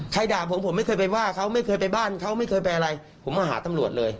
ด่าผมผมไม่เคยไปว่าเขาไม่เคยไปบ้านเขาไม่เคยไปอะไรผมมาหาตำรวจเลย